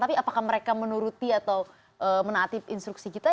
tapi apakah mereka menuruti atau menaati instruksi kita